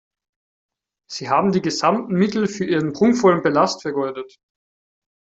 Sie haben die gesamten Mittel für Ihren prunkvollen Palast vergeudet.